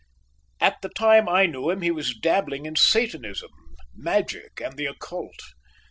At the time I knew him he was dabbling in Satanism, magic and the occult.